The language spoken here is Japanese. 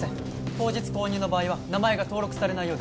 当日購入の場合は名前が登録されないようです